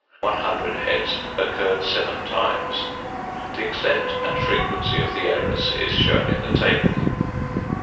One hundred heads occurred seven times. The extent and frequency of the errors is shown in the table.